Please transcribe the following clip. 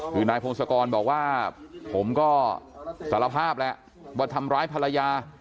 คือนายพงศกรบอกว่าผมก็สารภาพแหละว่าทำร้ายภรรยา